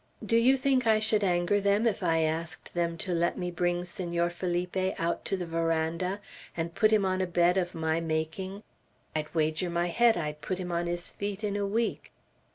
"Do you think I should anger them if I asked them to let me bring Senor Felipe out to the veranda and put him on a bed of my making? I'd wager my head I'd put him on his feet in a week."